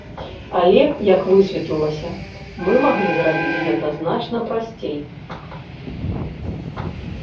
Але, як высветлілася, мы маглі зрабіць гэта значна прасцей.